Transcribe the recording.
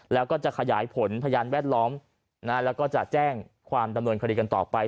แล้วก็จะขยายผลพยานแวดล้อมแล้วก็จะแจ้งความดำเนินคดีกันต่อไป